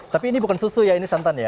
tapi ini bukan susu ya ini santan ya